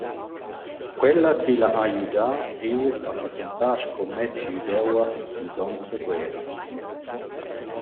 Quella tilla ha güdà eir a passantar sco mez güdeua ils ons da guerra.